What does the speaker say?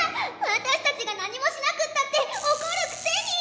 私たちが何もしなくたって怒るくせに！